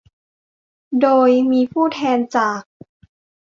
โดยมีผู้แทนจาก